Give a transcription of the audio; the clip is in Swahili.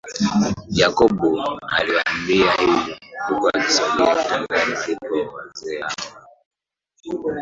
Jacob aliwaambia hivyo huku akisogea kitandani walipo wazee hao